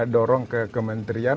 dorong ke kementerian